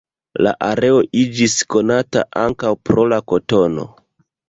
La areo iĝis konata ankaŭ pro la kotono.